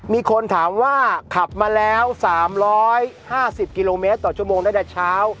มีคนถามว่าขับมาแล้วสามร้อยห้าสิบกิโลเมตรต่อชั่วโมงได้จากเช้า